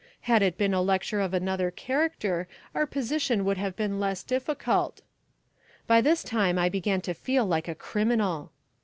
Had it been a lecture of another character our position would have been less difficult, ", By this time I began to feel like a criminal.